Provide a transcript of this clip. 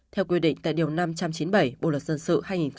theo quy định tại điều năm trăm chín mươi bảy bộ luật dân sự hai nghìn một mươi năm